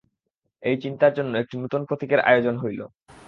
এই চিন্তার জন্য একটি নূতন প্রতীকের প্রয়োজন হইল।